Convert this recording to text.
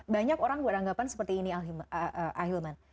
banyak orang beranggapan seperti ini ahilman